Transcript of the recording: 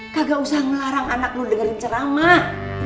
kagak usah ngelarang anak lo dengerin ceramah